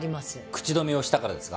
口止めをしたからですか？